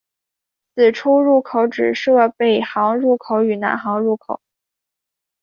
此出入口只设北行入口与南行出口。